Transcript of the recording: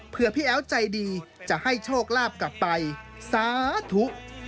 เพื่อพี่แอ๋วใจดีจะให้โชคลาภกลับไปสาธุ